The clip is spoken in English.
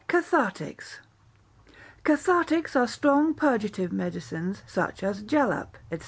Cathartics Cathartics are strong purgative medicines, such as jalap, &c.